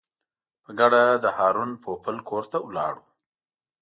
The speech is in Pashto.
په ګډه د هارون پوپل کور ته ولاړو.